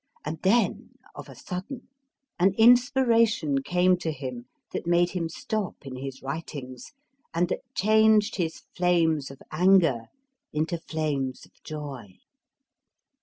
And then, of a sudden, an inspiration came to him that made him stop in his writings and that changed his flames of anger into flames of joy.